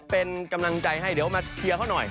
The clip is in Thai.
เป็นกำลังใจให้เดี๋ยวมาเชียร์เขาหน่อย